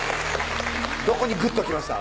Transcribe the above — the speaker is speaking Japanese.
どこにぐっときました？